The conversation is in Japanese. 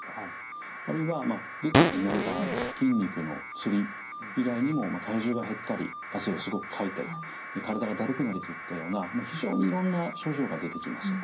あるいは出ていない場合筋肉のつり以外にも体重が減ったり汗をすごくかいたり体がだるくなるといったような非常にいろんな症状が出てきます。